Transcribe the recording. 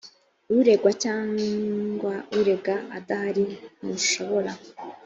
uregwa cyangwa urega adahari ntushobora